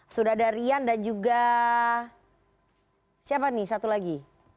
sudah ada rian dan juga siapa nih satu lagi